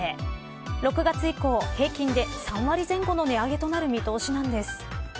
６月以降、平均で３割前後の値上げとなる見通しなんです。